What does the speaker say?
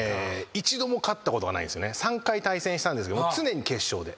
３回対戦したんですけど常に決勝で。